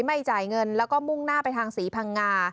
ไม่จ่ายเงินแล้วก็มุ่งหน้าไปทางศรีพังงา